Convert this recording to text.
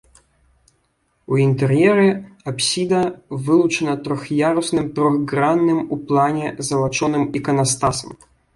У інтэр'еры апсіда вылучана трох'ярусным трохгранным у плане залачоным іканастасам.